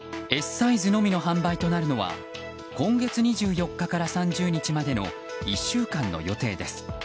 Ｓサイズのみの販売となるのは今月２４日から３０日までの１週間の予定です。